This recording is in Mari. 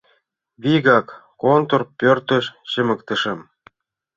Вигак контор пӧртыш чымыктышым.